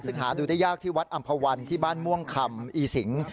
ซึ่งหาดูได้ยากที่วัดอำภาวันที่บ้านม่วงคำอีสิง